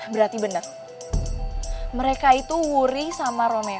berarti bener mereka itu wuri sama romeo